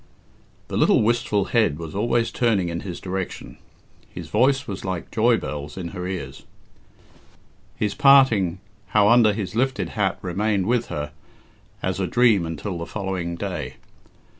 The little wistful head was always turning in his direction; his voice was like joy bells in her ears; his parting how under his lifted hat remained with her as a dream until the following day.